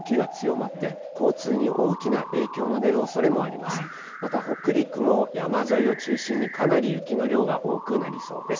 また北陸も山沿いを中心に、かなり雪の量が多くなりそうです。